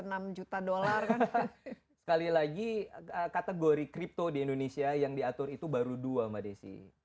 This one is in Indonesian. enam juta dolar karena sekali lagi kategori crypto di indonesia yang diatur itu baru dua mbak desi